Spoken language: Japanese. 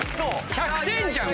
１００点じゃん